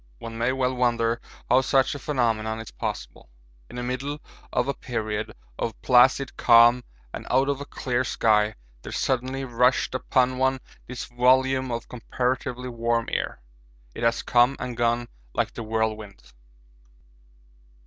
One may well wonder how such a phenomenon is possible. In the middle of a period of placid calm and out of a clear sky there suddenly rushed upon one this volume of comparatively warm air; it has come and gone like the whirlwind.